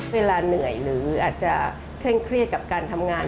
เหนื่อยหรืออาจจะเคร่งเครียดกับการทำงาน